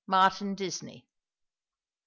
"Maetin Disney." Mr.